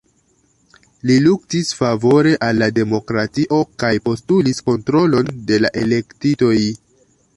Li luktis favore al la demokratio kaj postulis kontrolon de la elektitoj.